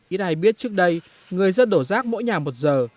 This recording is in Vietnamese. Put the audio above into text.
ít ai biết trước đây người dân đổ rác mỗi nhà một giờ